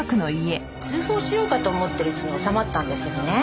通報しようかと思ってるうちに収まったんですけどね。